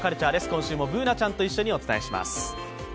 今週もＢｏｏｎａちゃんと一緒にお伝えします。